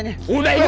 kasian tahu keatna